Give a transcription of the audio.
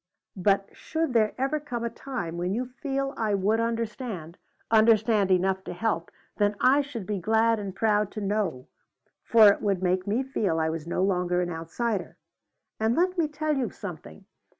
But should there ever come a time when you feel I would understand, understand enough to help, then I should be glad and proud to know, for it would make me feel I was no longer an outsider. And let me tell you something.